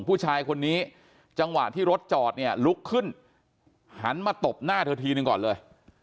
ผู้ชายคนนี้จังหวะที่รถจอดเนี่ยลุกขึ้นหันมาตบหน้าเธอทีนึงก่อนเลย